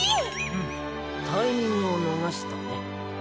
フッタイミングを逃したね。